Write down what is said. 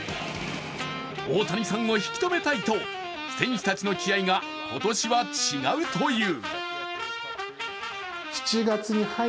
大谷さんを引きとめたいと、選手たちの気合いが今年は違うという。